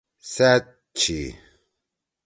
سأت چھی۔